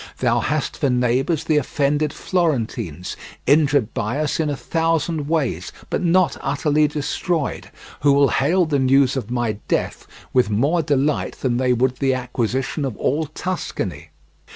Thou hast for neighbours the offended Florentines, injured by us in a thousand ways, but not utterly destroyed, who will hail the news of my death with more delight than they would the acquisition of all Tuscany.